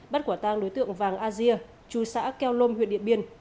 bắt quả tang đối tượng vàng asia chú xã keo lôm huyện điện biên